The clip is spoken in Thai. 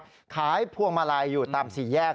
เค้าขายผลวงมาลัยอยู่ตามสี่แยก